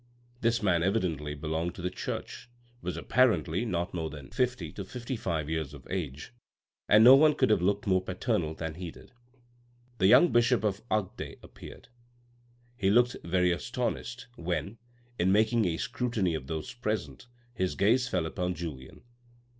This man evidently belonged to the church, was apparently not more than fifty to fifty five years of age, and no one could have looked more paternal than he did. The young bishop of Agde appeared. He looked very astonished when, in making a scrutiny of those present, his gaze fell upon Julien.